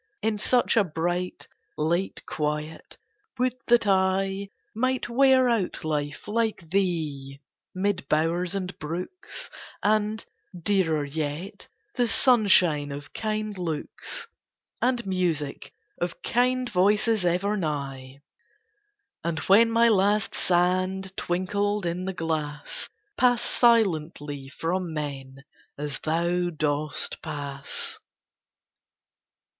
In such a bright, late quiet, would that I Might wear out life like thee, mid bowers and brooks, And, dearer yet, the sunshine of kind looks, And music of kind voices ever nigh; And when my last sand twinkled in the glass, Pass silently from men, as thou dost pass.